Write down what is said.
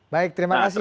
baik terima kasih